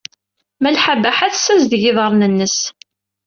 Malḥa Baḥa tessazdeg iḍarren-nnes.